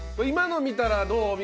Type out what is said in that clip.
今の見たらどう？